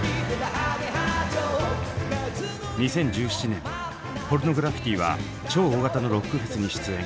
２０１７年ポルノグラフィティは超大型のロックフェスに出演。